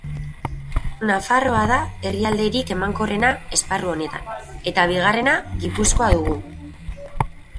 Nafarroa da herrialderik emankorrena esparru honetan, eta bigarrena Gipuzkoa dugu.